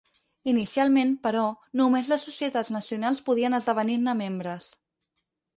Inicialment, però, només les societats nacionals podien esdevenir-ne membres.